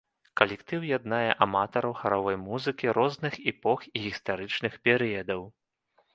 Калектыў яднае аматараў харавой музыкі розных эпох і гістарычных перыядаў.